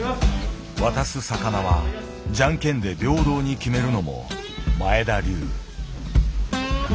渡す魚はジャンケンで平等に決めるのも前田流。